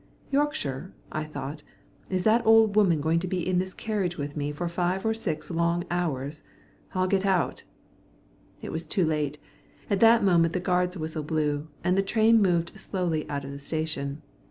"Yorkshire?" I thought. "Is that old woman to be in this carriage with me for five or six long hours? I'll get out." I was too late; at that moment the guard's whistle blew, and the train moved slowly out of the station.